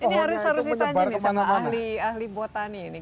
ini harus ditanya nih sama ahli ahli buatani ini